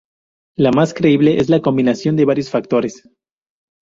La más creíble es la combinación de varios factores.